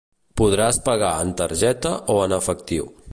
Podràs pagar en targeta o en efectiu.